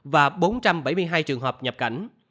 và bốn trăm bảy mươi hai trường hợp nhập cảnh